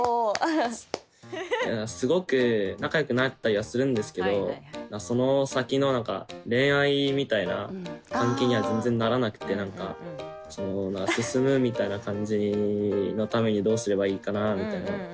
すごく仲良くなったりはするんですけどその先の何か恋愛みたいな関係には全然ならなくって何かその進むみたいな感じのためにどうすればいいかなみたいな。